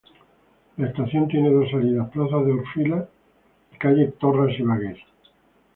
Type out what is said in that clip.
La estación tiene dos salidas: Plaza de Orfila y calle Torras i Bages.